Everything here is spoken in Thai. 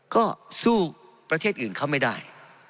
ก็สู้ประเทศอื่นเขาไม่ได้